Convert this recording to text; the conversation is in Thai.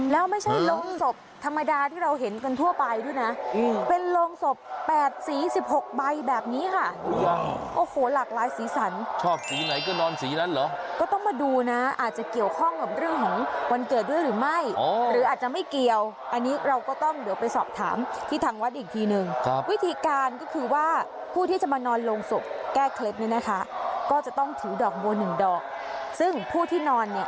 แล้วไม่ใช่โรงศพธรรมดาที่เราเห็นกันทั่วไปด้วยนะอืมเป็นโรงศพแปดสีสิบหกใบแบบนี้ค่ะโอ้โหหลากลายสีสันชอบสีไหนก็นอนสีนั้นเหรอก็ต้องมาดูนะอาจจะเกี่ยวข้องกับเรื่องของวันเกิดด้วยหรือไม่อ๋อหรืออาจจะไม่เกี่ยวอันนี้เราก็ต้องเดี๋ยวไปสอบถามที่ทางวัดอีกทีหนึ่งครับวิธี